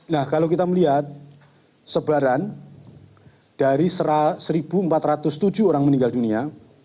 nah kalau kita melihat sebaran dari satu empat ratus tujuh orang meninggal dunia